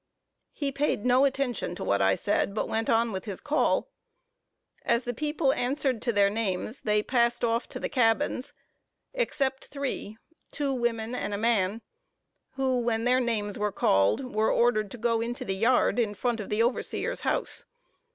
He paid no attention to what I said, but went on with his call. As the people answered to their names, they passed off to the cabins, except three, two women and a man; who, when their names were called, were ordered to go into the yard, in front of the overseer's house.